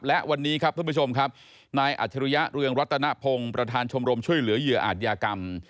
และวันนี้ครับท่านผู้ชมครับนายอัจฉริยะเรืองรัตนพงศ์ประธานชมรมช่วยเหลือเหยื่ออาจยากรรม